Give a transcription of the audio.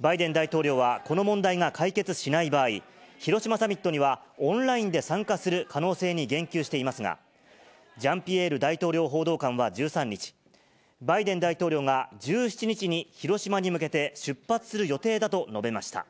バイデン大統領はこの問題が解決しない場合、広島サミットにはオンラインで参加する可能性に言及していますが、ジャンピエール大統領報道官は１３日、バイデン大統領が１７日に広島に向けて出発する予定だと述べました。